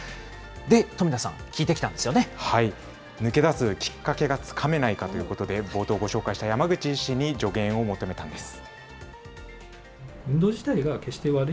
で、富田さん、聞いてきたんです抜け出すきっかけがつかめないかということで、冒頭、ご紹介した山口医師に助言を求めたんです。